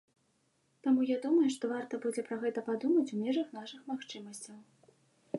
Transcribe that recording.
Таму я думаю, што варта будзе пра гэта падумаць у межах нашых магчымасцяў.